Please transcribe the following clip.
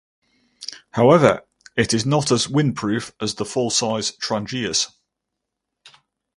However, it is not as windproof as the full-size Trangias.